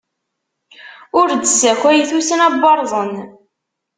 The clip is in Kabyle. Ur d-ssakay tussna n waṛẓen!